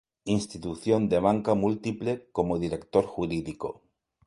Institución de Banca Múltiple, como Director Jurídico.